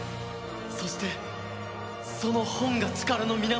そしてその本が力の源！